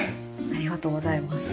ありがとうございます。